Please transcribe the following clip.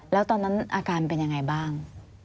แล้วตอนนั้นอาการเป็นยังไงบ้าง